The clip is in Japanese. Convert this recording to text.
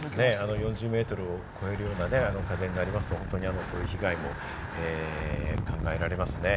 ４０メートルを超えるような風になりますとそういう被害も考えられますね。